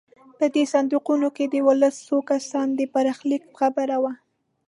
په دې صندوقونو کې د دولس سوه کسانو د برخلیک خبره وه.